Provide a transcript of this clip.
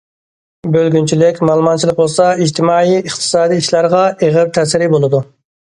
بۆلگۈنچىلىك، مالىمانچىلىق بولسا ئىجتىمائىي، ئىقتىسادىي ئىشلارغا ئېغىر تەسىرى بولىدۇ.